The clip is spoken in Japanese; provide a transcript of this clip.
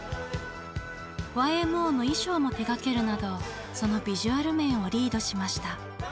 ＹＭＯの衣装も手がけるなどそのビジュアル面をリードしました。